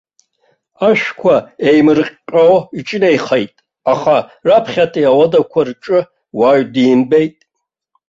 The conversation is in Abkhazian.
Ашәқәа еимырҟьҟьо иҿынеихеит, аха раԥхьатәи ауадақәа рҿы уаҩ димбеит.